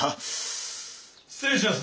・失礼します。